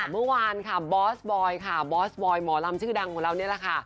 เมื่อวานค่ะบอสบอยค่ะบอสบอยหมอลำชื่อดังของเรานี่แหละค่ะ